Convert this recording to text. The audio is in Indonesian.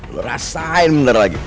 lo rasain bentar lagi